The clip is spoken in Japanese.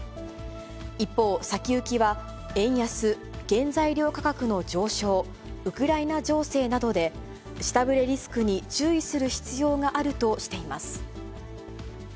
一方、先行きは円安、原材料価格の上昇、ウクライナ情勢などで、下振れリスクに注意する必要があるとしています。